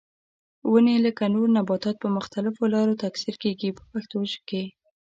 ونې لکه نور نباتات په مختلفو لارو تکثیر کېږي په پښتو کې.